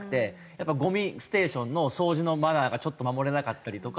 やっぱゴミステーションの掃除のマナーがちょっと守れなかったりとか。